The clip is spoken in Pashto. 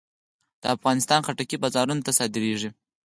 د افغانستان خټکی بازارونو ته صادرېږي.